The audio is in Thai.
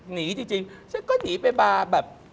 หนีจริงฉันก็หนีไปมาแบบ